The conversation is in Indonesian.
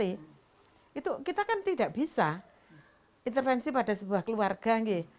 itu kita kan tidak bisa intervensi pada sebuah keluarga